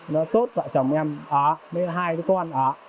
nó tốt vợ chồng em ở bên hai cái con ở